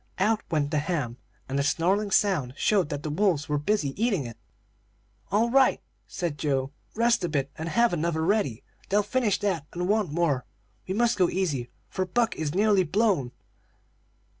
Out went the ham, and a snarling sound showed that the wolves were busy eating it. "'All right!' said Joe. 'Rest a bit, and have another ready. They'll soon finish that and want more. We must go easy, for Buck is nearly blown.'